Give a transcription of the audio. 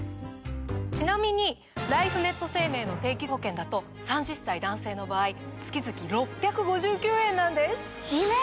ちなみにライフネット生命の定期保険だと３０歳男性の場合月々６５９円なんです！